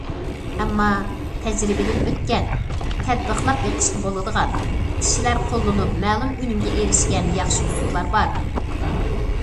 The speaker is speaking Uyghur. ئەمما، تەجرىبىدىن ئۆتكەن، تەتبىقلاپ بېقىشقا بولىدىغان، كىشىلەر قوللىنىپ مەلۇم ئۈنۈمگە ئېرىشكەن ياخشى ئۇسۇللار بار.